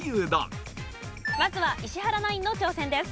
まずは石原ナインの挑戦です。